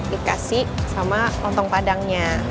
dikasih sama lontong padangnya